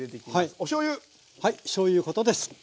はいしょうゆうことです。